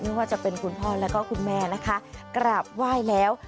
ไม่ว่าจะเป็นคุณพ่อแล้วก็คุณแม่นะคะกราบไหว้แล้ว